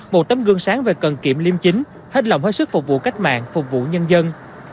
một tấm gương sáng về cần kiệm liêm chính hết lòng hết sức phục vụ cách mạng phục vụ nhân dân